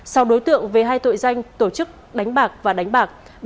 sau đối tượng về hai tội danh tổ chức đánh bạc và đánh bạc